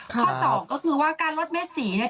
ข้อสองก็คือว่าการลดเม็ดสีเนี่ย